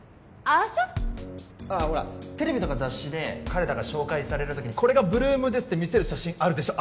ああほらテレビとか雑誌で彼らが紹介される時にこれが８ＬＯＯＭですって見せる写真あるでしょ